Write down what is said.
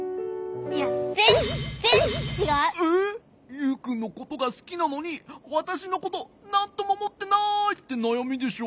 「ユウくんのことがすきなのにわたしのことなんともおもってない」ってなやみでしょ？